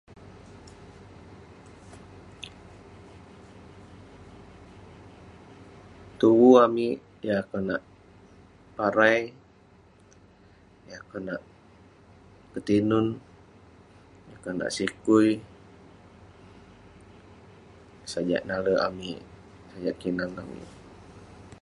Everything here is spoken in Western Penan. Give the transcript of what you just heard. Tuvu amik yang konak parai yah konak ketinun yanh konak sikui sajak nalek amik sajak kinan amik